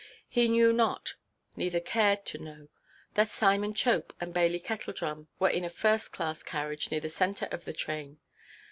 He knew not, neither cared to know, that Simon Chope and Bailey Kettledrum were in a first–class carriage near the centre of the train.